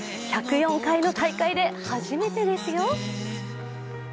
１０４回の大会で初めてですよ。